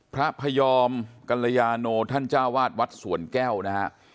พระพยอมกัลยาโนท่านเจ้าวาดวัดสวนแก้วนะฮะ